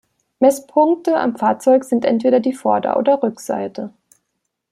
Messpunkte am Fahrzeug sind entweder die Vorder- oder Rückseite.